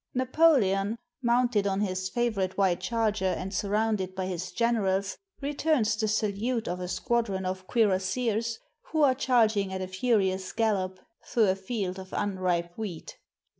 Napoleon, mounted on his favorite white charger and sur rounded by his generals, returns the salute of a squadron of cuirassiers who are charging at a furious gallop through a field of unripe wheat.